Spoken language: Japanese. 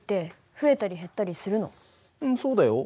うんそうだよ。